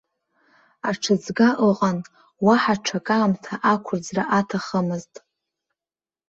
Аҽыҵга ыҟан, уаҳа аҽакы аамҭа ақәырӡра аҭахымызт.